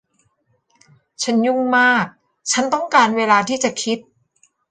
ฉันยุ่งมากฉันต้องการเวลาที่จะคิด